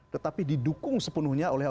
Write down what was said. tetapi didukung sepenuhnya oleh